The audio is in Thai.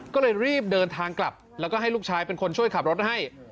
ก็เลยรีบเดินทางกลับแล้วก็ให้ลูกชายเป็นคนช่วยขับรถให้